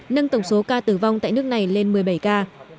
nâng tổng số ca tử vong tại nước này lên một mươi bảy ca